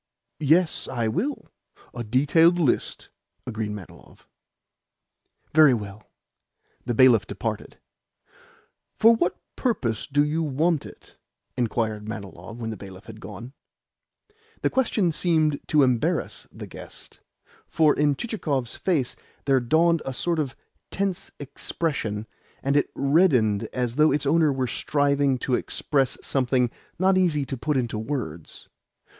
"Yes, I will a detailed list," agreed Manilov. "Very well." The bailiff departed. "For what purpose do you want it?" inquired Manilov when the bailiff had gone. The question seemed to embarrass the guest, for in Chichikov's face there dawned a sort of tense expression, and it reddened as though its owner were striving to express something not easy to put into words.